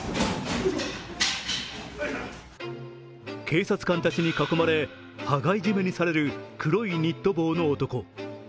警察官たちに囲まれ、羽交い締めにされる黒いニット帽の男。